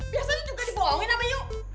biasanya juga dibohongin sama yuk